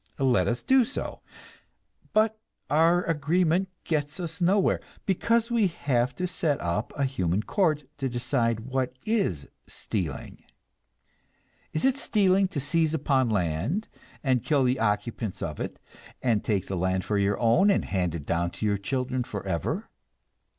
Let us do so; but our agreement gets us nowhere, because we have to set up a human court to decide what is "stealing." Is it stealing to seize upon land, and kill the occupants of it, and take the land for your own, and hand it down to your children forever?